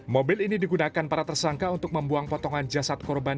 mobil ini digunakan para tersangka untuk membuang potongan jasad korban